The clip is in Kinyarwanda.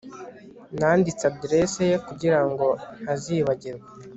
Nanditse adresse ye kugirango ntazibagirwa